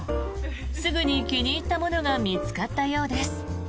すぐに気に入ったものが見つかったようです。